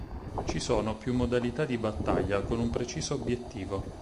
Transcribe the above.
Ci sono più modalità di battaglia con un preciso obbiettivo.